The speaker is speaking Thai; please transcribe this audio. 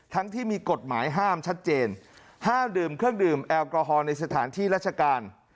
ที่มีกฎหมายห้ามชัดเจนห้ามดื่มเครื่องดื่มแอลกอฮอลในสถานที่ราชการ